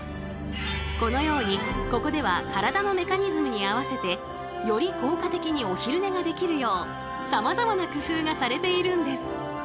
このようにここでは体のメカニズムに合わせてより効果的にお昼寝ができるようさまざまな工夫がされているんです！